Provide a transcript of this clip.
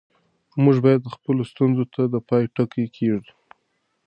موږ باید خپلو ستونزو ته د پای ټکی کېږدو.